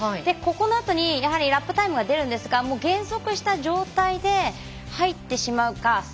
ここのあとにラップタイムが出るんですが減速した状態で入ってしまうか